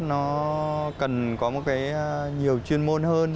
nó cần có một cái nhiều chuyên môn hơn